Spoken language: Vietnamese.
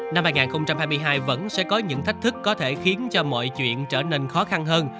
năm hai nghìn hai mươi hai vẫn sẽ có những thách thức có thể khiến cho mọi chuyện trở nên khó khăn hơn